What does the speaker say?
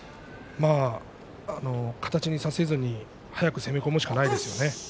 形にさせずに速く攻め込むしかないですね。